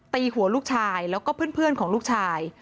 ตีหัวลูกชายแล้วก็เพื่อนของลูกชาย